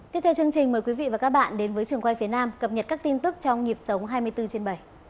tiếp theo chương trình mời quý vị và các bạn đến với trường quay phía nam cập nhật các tin tức trong nhịp sống hai mươi bốn trên bảy